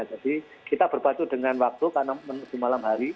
jadi kita berbantu dengan waktu karena malam hari